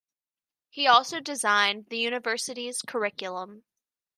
He also designed the university's curriculum.